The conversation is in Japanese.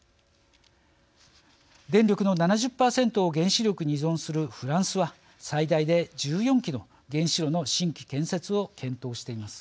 電力の７０％を原子力に依存するフランスは最大で１４基の原子炉の新規建設を検討しています。